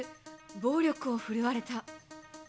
暴力を振るわれた。